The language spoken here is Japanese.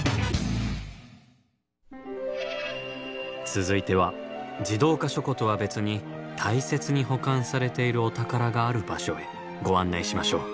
続いては自動化書庫とは別に大切に保管されているお宝がある場所へご案内しましょう。